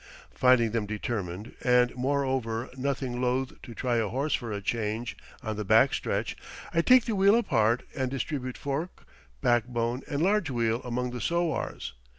Finding them determined, and, moreover, nothing loath to try a horse for a change, on the back stretch, I take the wheel apart and distribute fork, backbone, and large wheel among the sowars.